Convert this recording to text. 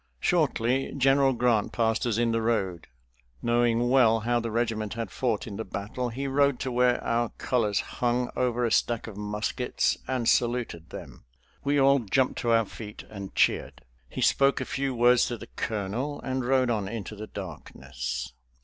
Shortly General Grant passed us in the road. Knowing well how the regiment had fought in the battle, he rode to where our colors hung over a stack of muskets and saluted them. We all jumped to our feet and cheered. He spoke a few words to the colonel and rode on into the darkness.